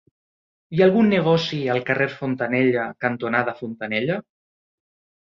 Hi ha algun negoci al carrer Fontanella cantonada Fontanella?